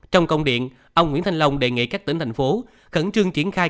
trong công điện ông nguyễn thanh long đề nghị các tỉnh thành phố khẩn trương triển khai